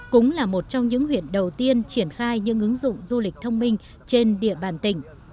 cũng là một trong những huyện đầu tiên triển khai những ứng dụng du lịch thông minh trên địa bàn tỉnh